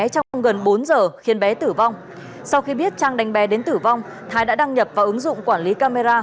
trong gần bốn giờ khiến bé tử vong sau khi biết trang đánh bé đến tử vong thái đã đăng nhập vào ứng dụng quản lý camera